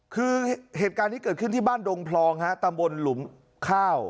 คือเหตุการณ์นี้เกิดขึ้นที่บ้านดงพลองฮะตำบลหลุมข้าว